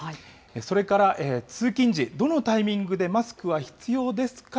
それから通勤時、どのタイミングでマスクは必要ですか？